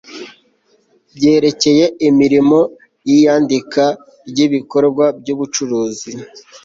byerekeye imirimo y iyandika ry ibikorwa by ubucuruzi